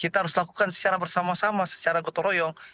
kita harus lakukan secara bersama sama secara gotong royong